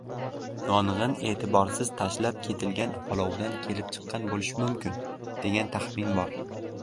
Yongʻin eʼtiborsiz tashlab ketilgan olovdan kelib chiqqan boʻlishi mumkin, degan taxmin bor.